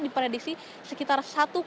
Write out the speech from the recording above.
diprediksi sekitar satu dua